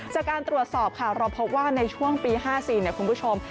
จากการตรวจสอบค่ะเราพบว่าในช่วงปี๕๔คุณผู้ชม